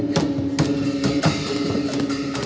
สวัสดีสวัสดี